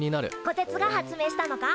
こてつが発明したのか？